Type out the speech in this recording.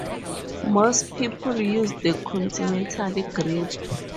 Most people use the continental grip.